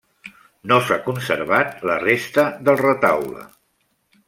No s'ha conservat la resta del retaule.